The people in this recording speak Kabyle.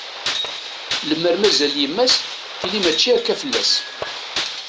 Lemmer mazal yemma-s, tili mačči akka fell-as.